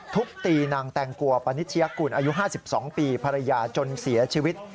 ทุบตีนางแตงกัวปณิชยากุลอายุ๕๒ปีภรรยาจนเสียชีวิต